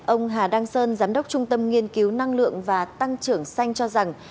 ông hà đăng sơn giám đốc trung tâm nghiên cứu năng lượng và tăng trưởng xanh cho rằng